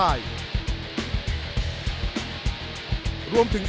แกร่งจริง